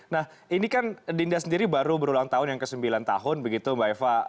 nah ini kan dinda sendiri baru berulang tahun yang ke sembilan tahun begitu mbak eva